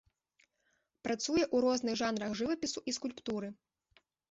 Працуе ў розных жанрах жывапісу і скульптуры.